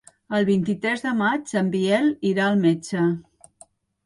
El vint-i-tres de maig en Biel irà al metge.